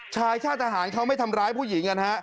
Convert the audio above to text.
ชายชาติทหารเขาไม่ทำร้ายผู้หญิง